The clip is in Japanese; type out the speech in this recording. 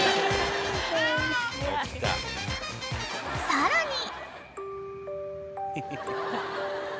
［さらに］